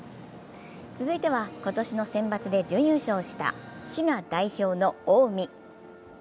続いては今年のセンバツで準優勝した滋賀代表の近江。